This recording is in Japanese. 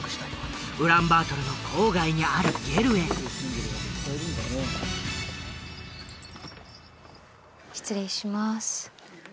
ウランバートルの郊外にあるゲルへ失礼します